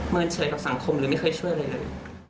เฉยกับสังคมหรือไม่เคยช่วยอะไรเลย